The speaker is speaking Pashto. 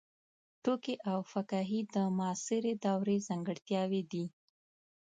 ټوکي او فکاهي د معاصرې دورې ځانګړتیاوې دي.